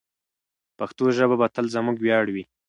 پښتو ژبه به تل زموږ ویاړ وي.